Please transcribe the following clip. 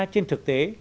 trên thực tế